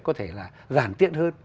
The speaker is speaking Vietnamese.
có thể là giản tiện hơn